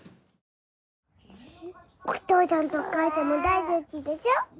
お父さんとお母さんも大好きでしょ。